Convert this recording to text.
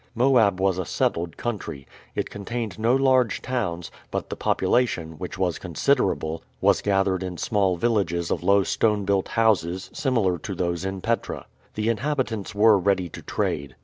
Moab was a settled country. It contained no large towns; but the population, which was considerable, was gathered in small villages of low stone built houses, similar to those in Petra. The inhabitants were ready to trade.